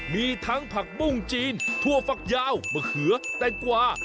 มีทั้งผักปุ้งจีนถั่วฝักยาวมะเขือแตงกวา